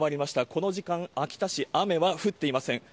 この時間、秋田市、雨は降っていません。